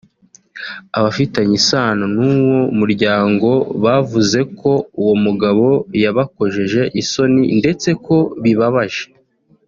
Abafitanye isano n’uwo muryango bavuze ko uwo mugabo yabakojeje isoni ndetse ko bibabaje